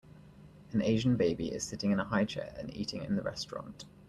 An Asian baby is sitting in a highchair and eating in the restaurant.